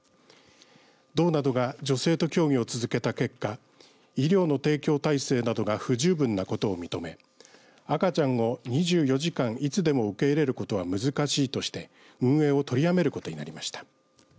道などが女性と協議を続けた結果医療の提供体制などが不十分なことを認め赤ちゃんを２４時間いつでも受け入れることは難しいとして運営を取りやめることになりました。